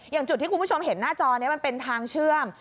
อย่างจุดที่คุณผู้ชมเห็นหน้าจอนี้มันเป็นทางเชื่อม